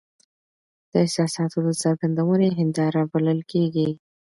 د احساساتو د څرګندوني هنداره بلل کیږي .